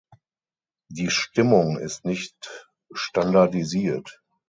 Die Stimmung ist nicht standardisiert.